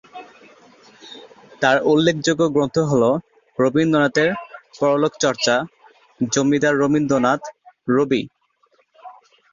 তার উল্লেখ যোগ্য গ্রন্থ হল রবীন্দ্রনাথের পরলোক চর্চা, জমিদার রবীন্দ্রনাথ, রবি।